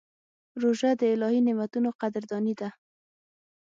روژه د الهي نعمتونو قدرداني ده.